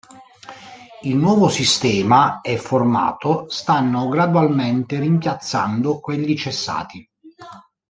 Il nuovo sistema e formato stanno gradualmente rimpiazzando quelli cessati.